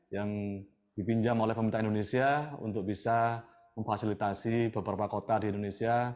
yang dipinjam oleh pemerintah indonesia untuk bisa memfasilitasi beberapa kota di indonesia